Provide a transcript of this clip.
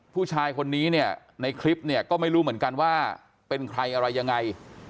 ผู้ชายคนนี้เนี่ยในคลิปเนี่ยก็ไม่รู้เหมือนกันว่าเป็นใครอะไรยังไง